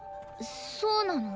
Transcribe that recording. そうなの。